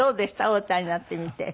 お歌いになってみて。